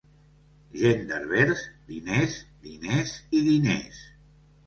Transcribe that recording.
Gent d'Herbers: diners, diners i diners.